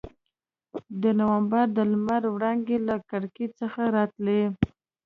د نومبر د لمر وړانګې له کړکۍ څخه راتلې.